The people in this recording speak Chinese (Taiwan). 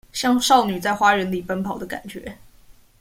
像少女在花園裡奔跑的感覺